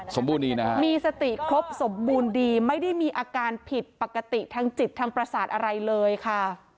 นะฮะมีสติครบสมบูรณ์ดีไม่ได้มีอาการผิดปกติทางจิตทางประสาทอะไรเลยค่ะ